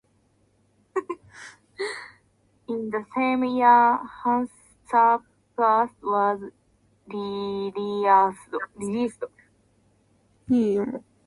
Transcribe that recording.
In the same year Hansaplast was released.